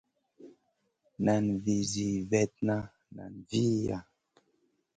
Nan vih zi vetna nen viya.